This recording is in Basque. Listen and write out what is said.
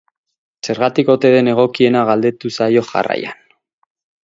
Zergatik ote den egokiena galdetu zaio jarraian.